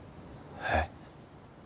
えっ？